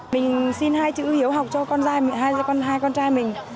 mình xin hai chữ hiếu học cho hai con trai mình